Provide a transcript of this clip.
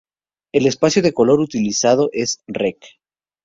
El espacio de color utilizado es Rec.